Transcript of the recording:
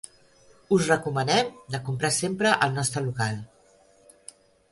Us recomanem de comprar sempre el nostre local.